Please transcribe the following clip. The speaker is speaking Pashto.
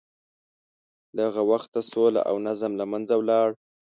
له هغه وخته سوله او نظم له منځه ولاړ.